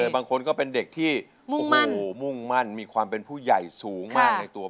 บางคนก็เป็นเด็กที่มุ่งมั่นมีความเป็นผู้ใหญ่สูงมากในตัว